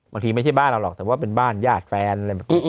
บางทีไม่ใช่บ้านเราหรอกแต่ว่าเป็นบ้านญาติแฟน